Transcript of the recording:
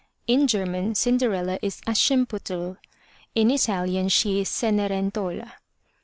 In German Cinderella is Aschen puttel ; in Italian she is Cenerentola.